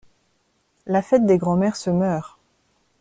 La fête des grand-mères se meurt.